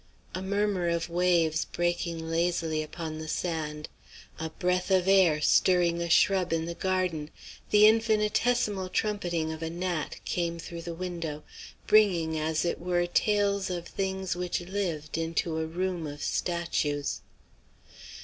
A murmur of waves breaking lazily upon the sand, a breath of air stirring a shrub in the garden, the infinitesimal trumpeting of a gnat, came through the window, bringing as it were tales of things which lived into a room of statues.